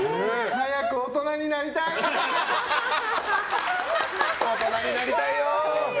早く大人になりたい！